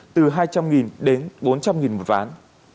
từ hai trăm linh đến bốn trăm linh đồng một ván